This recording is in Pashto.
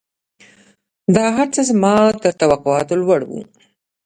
دا هرڅه زما تر توقعاتو لوړ وو.